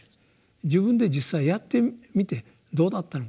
自分で実際やってみてどうだったのかと。